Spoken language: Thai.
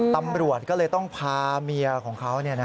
ตำรวจก็เลยต้องพาเมียของเขา